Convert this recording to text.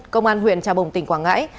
công an huyện trà bồng tỉnh quảng ngãi